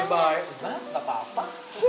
gak ada apa apa